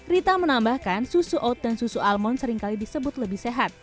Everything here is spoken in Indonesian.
rita menambahkan susu oat dan susu almond seringkali disebut lebih sehat